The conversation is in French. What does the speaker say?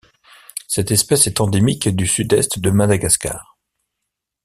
Cette espèce est endémique du Sud-Est de Madagascar.